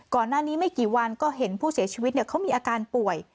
ก่อนหน้านี้ไม่กี่วันก็เห็นผู้เสียชีวิตเขามีอาการป่วย